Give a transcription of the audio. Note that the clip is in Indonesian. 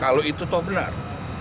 kalau itu toh benar